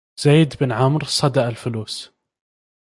زيد بن عمرو صدأ الفلوس